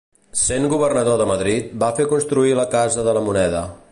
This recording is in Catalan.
Sent governador de Madrid va fer construir la Casa de la Moneda.